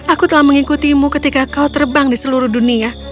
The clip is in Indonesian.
aku telah mengikutimu ketika kau terbang di seluruh dunia